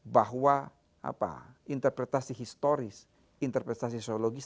bahwa interpretasi historis interpretasi sosiologis